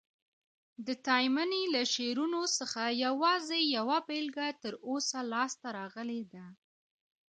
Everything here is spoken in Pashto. د تایمني له شعرونو څخه یوازي یوه بیلګه تر اوسه لاسته راغلې ده.